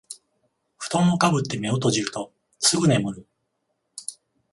ふとんをかぶって目を閉じるとすぐ眠る